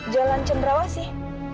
jalan cenderawas sih